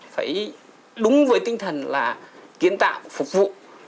phải đúng với tinh thần kiến tạo phục vụ